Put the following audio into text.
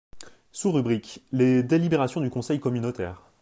Sous-rubrique : les délibérations du Conseil communautaire.